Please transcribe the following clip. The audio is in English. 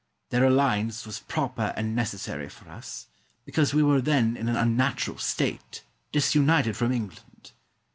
Their alliance was proper and necessary for us, because we were then in an unnatural state, disunited from England.